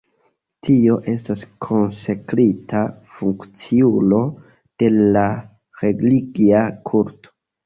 Tio estas konsekrita funkciulo de religia kulto.